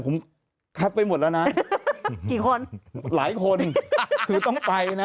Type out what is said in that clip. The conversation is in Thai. ผมแคปไปหมดแล้วนะกี่คนหลายคนคือต้องไปนะ